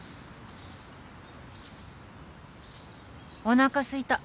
おなかすいた。